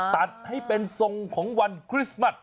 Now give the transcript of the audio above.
ตัดให้เป็นทรงของวันคริสต์มัส